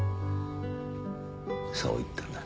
そう言ったんだ。